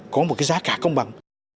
có một cái giá cả công bằng